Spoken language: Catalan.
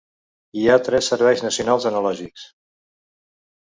Hi ha tres serveis nacionals analògics.